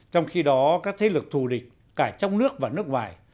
trong khi đó các thế lực thù địch cả trong nước và nước ngoài